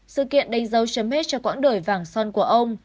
sự kiện đánh dấu chấm hết cho quãng đời vàng son của ông